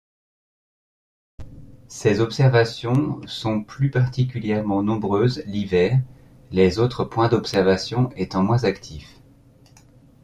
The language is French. Ces observations sont plus particulièrement nombreuses l'hiver, les autres points d'observation étant moins actifs.